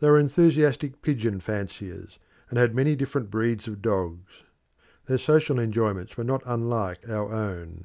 They were enthusiastic pigeon fanciers, and had many different breeds of dogs. Their social enjoyments were not unlike our own.